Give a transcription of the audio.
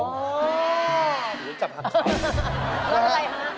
รสอะไรฮะ